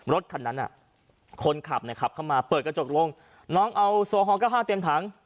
รถคันนั้นคนขับเนี่ยขับเข้ามาเปิดกระจกลงน้องเอาโซฮอล๙๕เต็มถัง